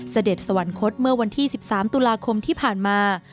เสด็จสวรรคตเมื่อวันที่๑๓ตุลาคมที่ผ่านมา